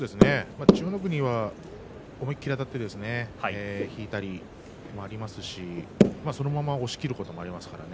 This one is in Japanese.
千代の国は思い切りあたって引いたりありますしそのまま押しきることもありますからね。